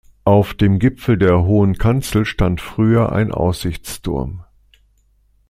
Auf dem Gipfel der Hohen Kanzel stand früher ein Aussichtsturm.